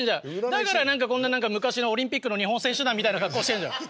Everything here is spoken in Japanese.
だから何かこんな昔のオリンピックの日本選手団みたいな格好してんじゃん。